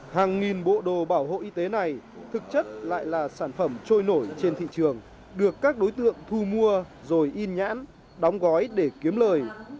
hàng nghìn bộ đồ bảo hộ y tế này thực chất lại là sản phẩm trôi nổi trên thị trường được các đối tượng thu mua rồi in nhãn đóng gói để kiếm lời